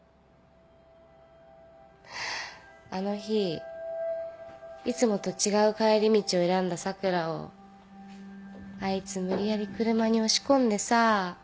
あの日いつもと違う帰り道を選んだ咲良をあいつ無理やり車に押し込んでさ。